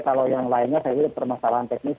kalau yang lainnya saya kira permasalahan teknis